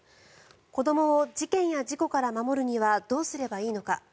子どもを事件や事故から守るにはどうすればいいのか。